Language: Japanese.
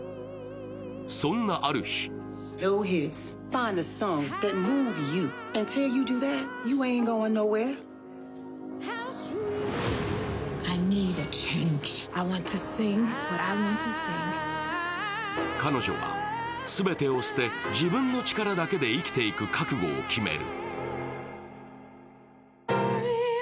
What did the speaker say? そんなある日彼女は全てを捨て、自分の力だけで生きていく覚悟を決める。